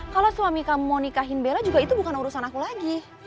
kalau suami kamu mau nikahin bella juga itu bukan urusan aku lagi